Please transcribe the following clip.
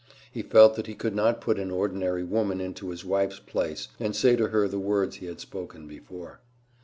He felt that he could not put an ordinary woman into his wife's place, and say to her the words he had spoken before.